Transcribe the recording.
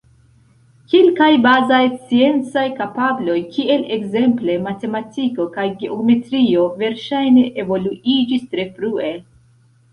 Kelkaj bazaj sciencaj kapabloj, kiel ekzemple matematiko kaj geometrio, verŝajne evoluiĝis tre frue.